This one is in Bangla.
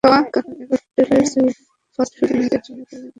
কারণ, এবার টেলর সুইফট শুধু নিজের জন্যই খুললেন একটি টিভি চ্যানেল।